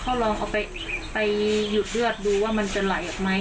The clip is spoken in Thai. เขาลองเอาไปหยุดเลือดดูว่ามันจะไหลออกไหม